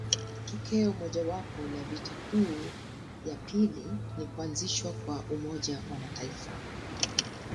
Tokeo mojawapo la vita kuu ya pili ni kuanzishwa kwa Umoja wa Mataifa.